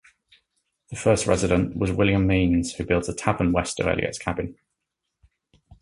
The first resident was William Means, who built a tavern west of Elliot's cabin.